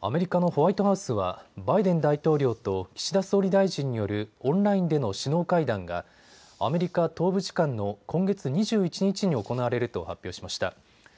アメリカのホワイトハウスはバイデン大統領と岸田総理大臣によるオンラインでの首脳会談がアメリカ東部時間の今月２１日に行われると発表しました。